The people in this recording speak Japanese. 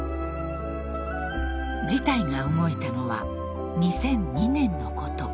［事態が動いたのは２００２年のこと］